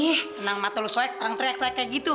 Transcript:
tenang mata lo soek orang teriak teriak kayak gitu